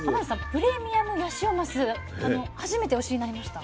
プレミアムヤシオマス初めてお知りになりました？